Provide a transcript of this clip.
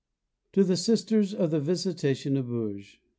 _To the Sisters of the Visitation of Bourges.